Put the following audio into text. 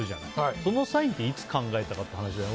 そのサインっていつ考えたかって話だよね。